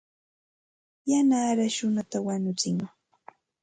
Yana arash runata wañutsin.